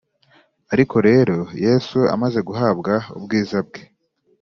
ariko rero Yesu amaze guhabwa ubwiza bwe